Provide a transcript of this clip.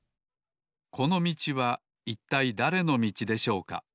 このみちはいったいだれのみちでしょうか？